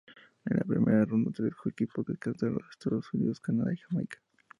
En la primera ronda, tres equipos descansaron: los Estados Unidos, Canadá y Jamaica.